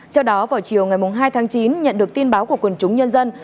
trong đó vào chiều ngày hai chín nhận được tin báo của quần chúng nhân dân